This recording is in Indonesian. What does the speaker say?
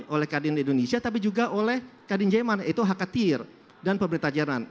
oleh kadin indonesia tapi juga oleh kadin jerman yaitu hakatir dan pemerintah jerman